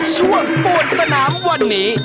ช่วงอฟฟอร์ดสนามวันนี้